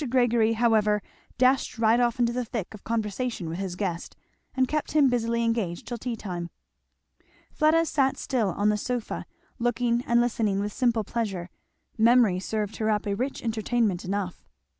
Gregory, however, dashed right off into the thick of conversation with his guest, and kept him busily engaged till tea time. Fleda sat still on the sofa, looking and listening with simple pleasure; memory served her up a rich entertainment enough.